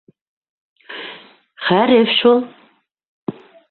— Хәреф шул.